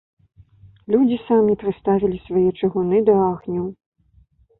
Людзі самі прыставілі свае чыгуны да агню.